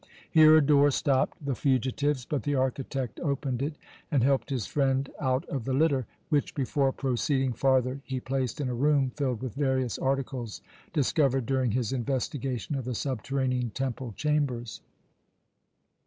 Here a door stopped the fugitives; but the architect opened it and helped his friend out of the litter, which before proceeding farther he placed in a room filled with various articles discovered during his investigation of the subterranean temple chambers.